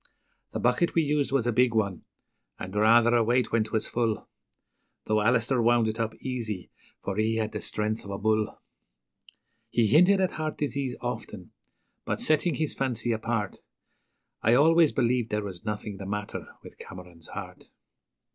The bucket we used was a big one, and rather a weight when 'twas full, Though Alister wound it up easy, for he had the strength of a bull. He hinted at heart disease often, but, setting his fancy apart, I always believed there was nothing the matter with Cameron's heart.